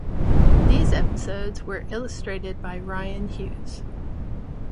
These episodes were illustrated by Rian Hughes.